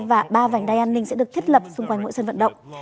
và ba vành đai an ninh sẽ được thiết lập xung quanh mỗi sân vận động